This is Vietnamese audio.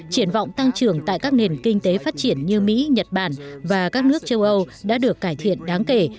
triển vọng tăng trưởng tại các nền kinh tế phát triển như mỹ nhật bản và các nước châu âu đã được cải thiện đáng kể